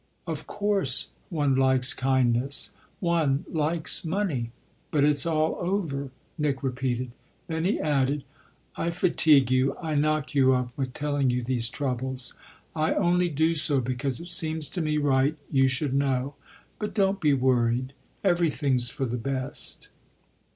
"Of course one likes kindness one likes money. But it's all over," Nick repeated. Then he added: "I fatigue you, I knock you up, with telling you these troubles. I only do so because it seems to me right you should know. But don't be worried everything's for the best."